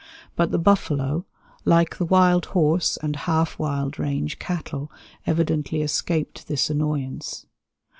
But the buffalo, like the wild horse and half wild range cattle, evidently escaped this annoyance.